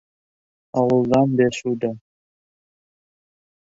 هەوڵدان بێسوودە.